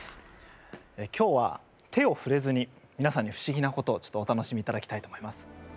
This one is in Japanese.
今日は手を触れずに皆さんに不思議なことをちょっとお楽しみいただきたいと思います。